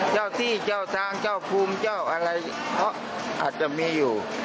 เจ้าที่เจ้าทางเจ้าภูมิเจ้าอะไรเพราะอาจจะมีอยู่